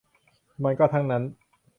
มันก็ทั้งนั้น